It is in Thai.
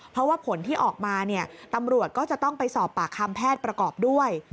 เพราะว่าผลที่ออกมาเนี่ยตำรวจก็จะต้องไปสอบปากคำแพทย์ประกอบด้วย